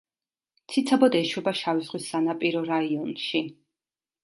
ციცაბოდ ეშვება შავი ზღვის სანაპირო რაიონში.